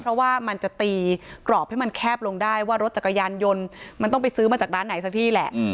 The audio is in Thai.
เพราะว่ามันจะตีกรอบให้มันแคบลงได้ว่ารถจักรยานยนต์มันต้องไปซื้อมาจากร้านไหนสักที่แหละ